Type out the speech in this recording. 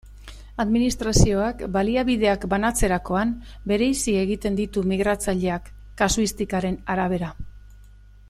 Administrazioak baliabideak banatzerakoan bereizi egiten ditu migratzaileak, kasuistikaren arabera.